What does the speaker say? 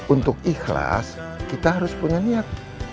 untuk ikhlas kita harus punya niat